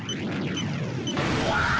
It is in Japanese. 「うわっ！」